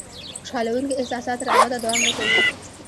خوشالونکي احساسات تر ابده دوام نه کوي.